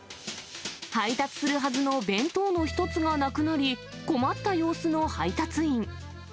配達するはずの弁当の一つがなくなり、困った様子の配達員。